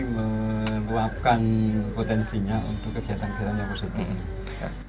meluapkan potensinya untuk kegiatan kehidupan yang positif